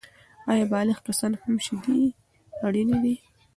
آیا بالغ کسان هم شیدې اړینې دي؟